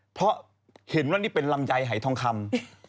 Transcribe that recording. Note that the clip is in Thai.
เพราะเห็นว่านี่เป็นลำไยหายทองคำ